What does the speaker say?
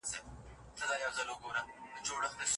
تاسو کله په مجازی نړۍ کې د لوبو تجربه کړې ده؟